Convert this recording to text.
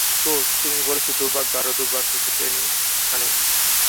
তো, তুমি বলছো দুর্ভাগ্য আরও দুর্ভাগ্যকে টেনে আনে?